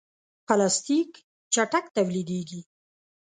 پلاستيک چټک تولیدېږي.